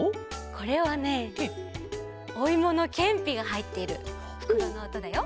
これはねおいものけんぴがはいってるふくろのおとだよ。